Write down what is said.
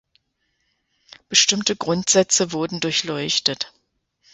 Bestimmte Grundsätze wurden durchleuchtet.